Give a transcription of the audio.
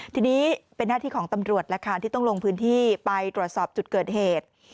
ทีนี้เป็นหน้าที่ของตำรวจแหละค่ะที่ต้องลงพื้นที่ไปตรวจสอบจุดเกิดเหตุ